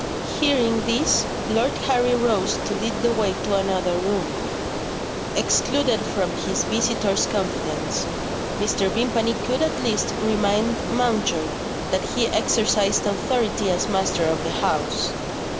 Hearing this, Lord Harry rose to lead the way to another room. Excluded from his visitor's confidence, Mr. Vimpany could at least remind Mountjoy that he exercised authority as master of the house.